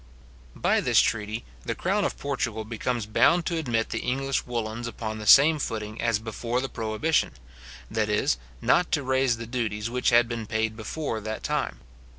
By this treaty, the crown of Portugal becomes bound to admit the English woollens upon the same footing as before the prohibition; that is, not to raise the duties which had been paid before that time.